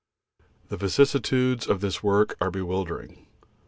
The vicissitudes of this work are bewildering.